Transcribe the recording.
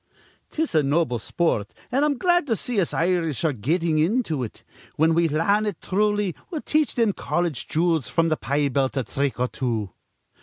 "'Tis a noble sport, an' I'm glad to see us Irish ar re gettin' into it. Whin we larn it thruly, we'll teach thim colledge joods fr'm th' pie belt a thrick or two."